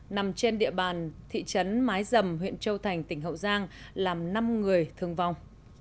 nằm trên địa bàn thị trấn mái dầm huyện châu thành tỉnh hậu giang làm năm người thương vong